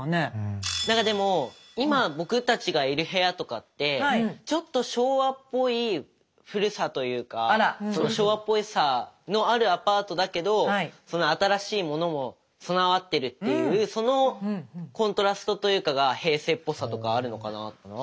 何かでも今僕たちがいる部屋とかってちょっと昭和っぽい古さというか昭和っぽさのあるアパートだけど新しいものも備わってるっていうそのコントラストというかが平成っぽさとかあるのかなと。